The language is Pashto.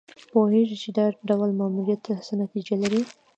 پوهېږي چې دا ډول ماموریت څه نتیجه لري.